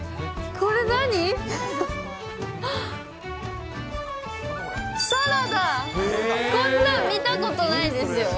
こんなの見たことないですよ。